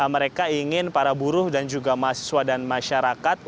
mereka ingin para buruh dan juga mahasiswa dan masyarakat